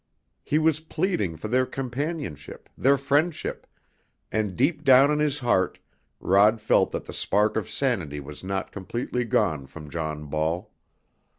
He was pleading for their companionship, their friendship, and deep down in his heart Rod felt that the spark of sanity was not completely gone from John Ball.